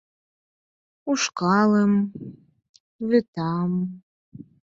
— Ушкалым... вӱтам...